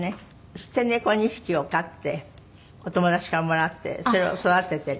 捨て猫２匹を飼ってお友達からもらってそれを育ててる？